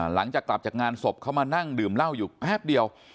หลังจากกลับจากงานศพเขามานั่งดื่มเหล้าอยู่แป๊บเดียว